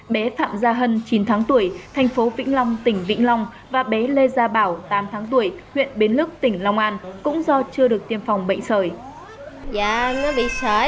bé phạm gia hân chín tháng tuổi thành phố vĩnh long tỉnh vĩnh long và bé lê gia bảo tám tháng tuổi huyện bến lức tỉnh long an cũng do chưa được tiêm phòng bệnh sởi